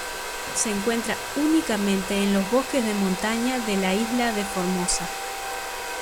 Se encuentra únicamente en los bosques de montaña de la isla de Formosa.